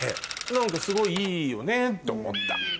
何かすごいいいよねと思った。